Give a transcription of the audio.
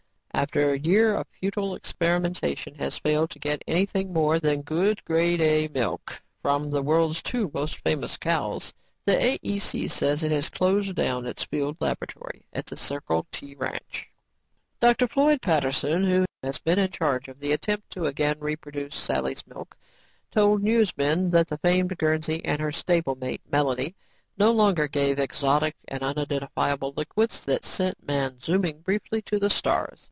"After a year of futile experimentation has failed to get anything more than good, Grade A milk from the world's two most famous cows, the AEC says it has closed down its field laboratory at the Circle T ranch." "Dr. Floyd Peterson, who has been in charge of the attempt to again reproduce Sally's Milk, told newsmen that the famed Guernsey and her stablemate, Melody, no longer gave exotic and unidentifiable liquids that sent man zooming briefly to the stars."